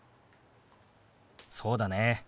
そうだね。